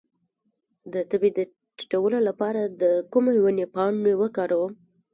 د تبې د ټیټولو لپاره د کومې ونې پاڼې وکاروم؟